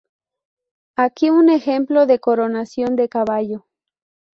Aquí un ejemplo de coronación de caballo.